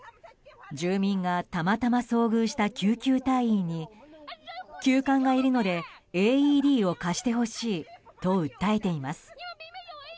住民がたまたま遭遇した救急隊員に急患がいるのでＡＥＤを貸してほしいと訴えています。